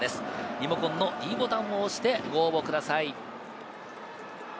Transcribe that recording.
リモコンのｄボタンを押してご応募ください。